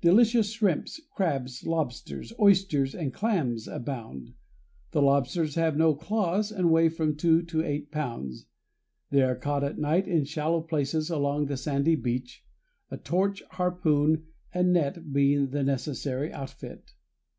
Delicious shrimps, crabs, lobsters, oysters, and clams abound. The lobsters have no claws and weigh from two to eight pounds. They are caught at night in shallow places along the sandy beach, a torch, harpoon, and net being the necessary outfit.